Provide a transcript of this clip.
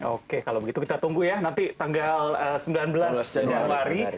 oke kalau begitu kita tunggu ya nanti tanggal sembilan belas januari